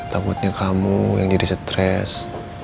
takutnya kamu yang jadi stres